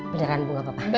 beneran bu gak apa apa